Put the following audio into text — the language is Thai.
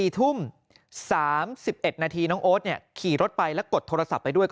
๔ทุ่ม๓๑นาทีน้องโอ๊ตขี่รถไปและกดโทรศัพท์ไปด้วย